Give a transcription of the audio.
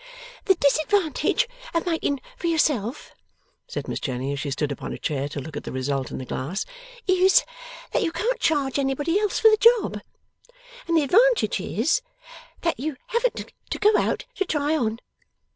'The disadvantage of making for yourself,' said Miss Jenny, as she stood upon a chair to look at the result in the glass, 'is, that you can't charge anybody else for the job, and the advantage is, that you haven't to go out to try on.